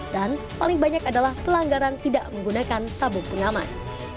dan paling banyak adalah pelanggaran tidak menggunakan sabuk penyaman